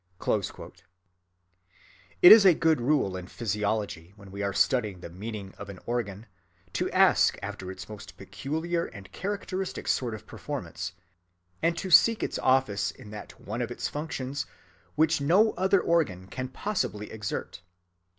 (18) It is a good rule in physiology, when we are studying the meaning of an organ, to ask after its most peculiar and characteristic sort of performance, and to seek its office in that one of its functions which no other organ can possibly exert.